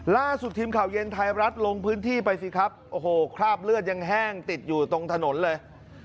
ล่าสุดทีมข่าวเย็นไทยรัฐลงพื้นที่ไปสิครับโอ้โหคราบเลือดยังแห้งติดอยู่ตรงถนนเลย